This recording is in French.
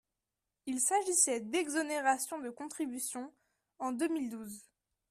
Il s’agissait d’exonération de contributions en deux mille douze.